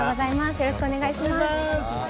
よろしくお願いします。